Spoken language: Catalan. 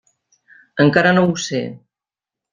Encara no ho sé.